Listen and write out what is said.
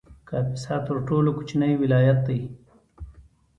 کاپیسا تر ټولو کوچنی ولایت دی